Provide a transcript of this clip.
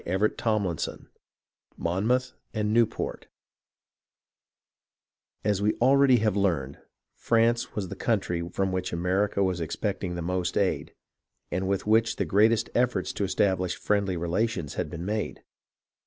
CHAPTER XXIV MONMOUTH AND NEWPORT As we already have learned, France was the country from which America was expecting the most aid, and with which the greatest efforts to establish friendly relations had been made.